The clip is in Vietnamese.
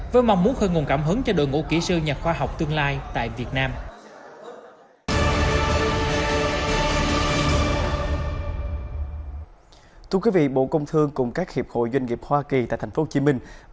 với mong muốn khơi nguồn cảm hứng cho đội ngũ kỹ sư nhà khoa học tương lai tại việt nam